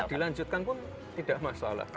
dilanjutkan pun tidak masalah